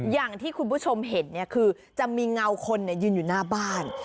อย่างที่คุณผู้ชมเห็นเนี่ยคือจะมีเงาคนยืนอยู่หน้าบ้าน